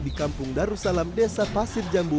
di kampung darussalam desa pasir jambu